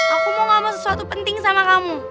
aku mau ngomong sesuatu penting sama kamu